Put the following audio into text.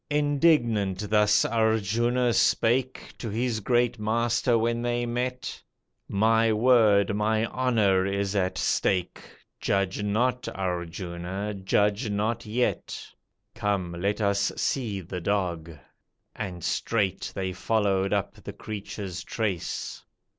Indignant thus Arjuna spake To his great Master when they met "My word, my honour, is at stake, Judge not, Arjuna, judge not yet. Come, let us see the dog," and straight They followed up the creature's trace.